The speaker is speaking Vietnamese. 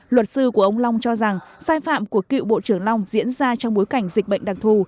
luật sư của ông long cho rằng sai phạm của cựu bộ trưởng long diễn ra trong bối cảnh dịch bệnh đặc thù